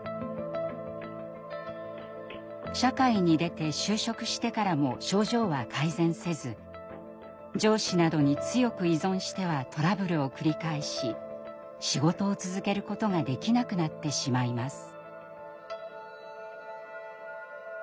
社会に出て就職してからも症状は改善せず上司などに強く依存してはトラブルを繰り返し仕事を続けることができなくなってしまいます。